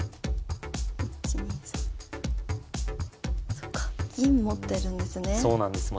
そっか銀持ってるんですね。